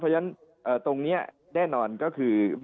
เพราะฉะนั้นตรงนี้แน่นอนก็คือ